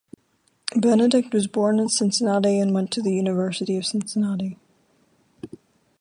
Benedict was born in Cincinnati, and went to the University of Cincinnati.